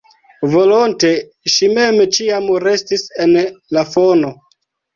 Volonte ŝi mem ĉiam restis en al fono.